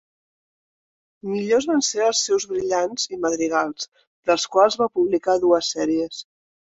Millors van ser els seus brillants i madrigals, dels quals va publicar dues sèries.